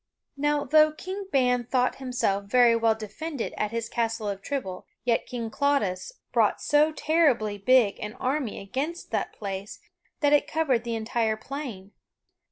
Now, though King Ban thought himself very well defended at his Castle of Trible, yet King Claudas brought so terribly big an army against that place that it covered the entire plain.